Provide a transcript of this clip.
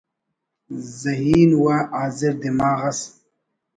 ذہین و حاضر دماغ ئس